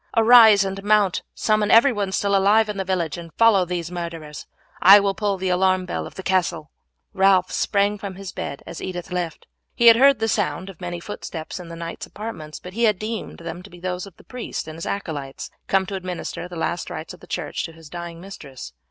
Arise and mount, summon everyone still alive in the village, and follow these murderers. I will pull the alarm bell of the castle." Ralph sprang from his bed as Edith left. He had heard the sound of many footsteps in the knight's apartments, but had deemed them those of the priest and his acolytes come to administer the last rites of the church to his dying mistress.